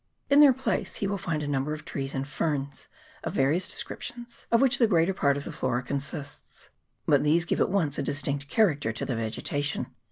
In their place he will find a number of trees and ferns of various descriptions, of which the greater part of the flora consists. But these give at once a distinct character to the vegeta tion.